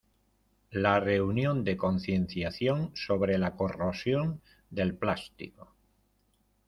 La reunión de concienciación sobre la corrosión del plástico...